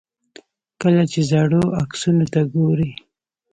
کله چې زاړو عکسونو ته ګورئ.